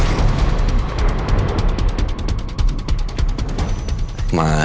itu juga ber romanian gitu si